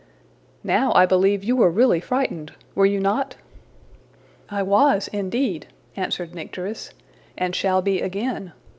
Now I believe you were really frightened. Were you not?'' ``I was, indeed,'' answered Nycteris, ``and shall be again.